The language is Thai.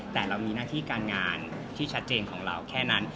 แต่เรามีหน้าที่การงานที่ชัดเจนของเราแค่นั้น